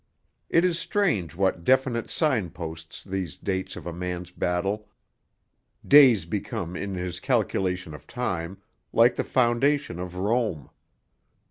It is strange what definite sign posts these dates of a man's battle days become in his calculation of time like the foundation of Rome.